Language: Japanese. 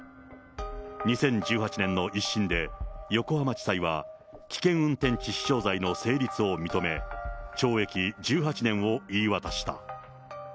２０１８年の１審で、横浜地裁は危険運転致死傷罪の成立を認め、懲役１８年を言い渡した。